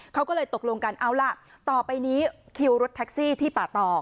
เขาก็เลยตกลงกันเอาล่ะต่อไปนี้คิวรถแท็กซี่ที่ป่าตอง